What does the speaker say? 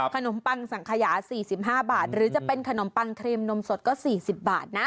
ปังสังขยา๔๕บาทหรือจะเป็นขนมปังครีมนมสดก็๔๐บาทนะ